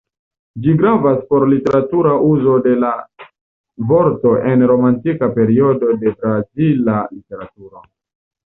Ĝi gravas por literatura uzo de la vorto en romantika periodo de brazila literaturo.